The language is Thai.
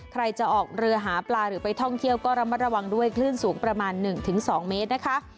ใครจะออกเรือหาปลาหรือไปท่องเที่ยวก็ระมัดระวังด้วยคลื่นสูงประมาณ๑๒เมตรนะคะ